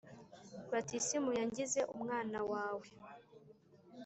batisimu yangize umwana wawe